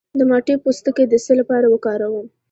د مالټې پوستکی د څه لپاره وکاروم؟